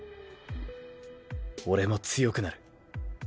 俺も強くなる。